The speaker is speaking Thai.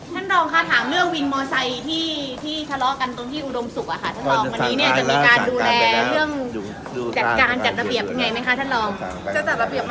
ท่านรองค่ะถามเรื่องวินมอไซค์ที่ทะเลาะกันตรงที่อุดมศุกร์ท่านรองวันนี้เนี่ยจะมีการดูแลเรื่องจัดการจัดระเบียบยังไงไหมคะท่านรองจะจัดระเบียบ